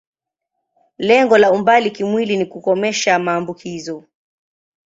Lengo la umbali kimwili ni kukomesha maambukizo.